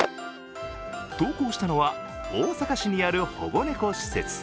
投稿したのは大阪市にある保護猫施設。